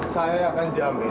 saya akan jamin